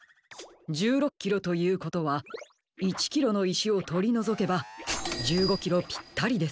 １６キロということは１キロのいしをとりのぞけば１５キロぴったりです。